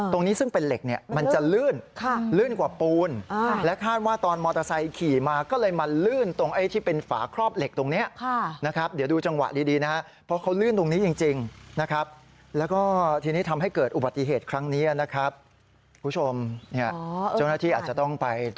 ตรงนี้ซึ่งเป็นเหล็กมันจะลื่น